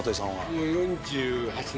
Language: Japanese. もう４８年。